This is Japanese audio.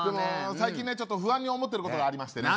最近ねちょっと不安に思ってることがありましてね